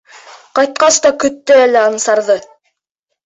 Ҡайтҡас та көттө әле Ансарҙы.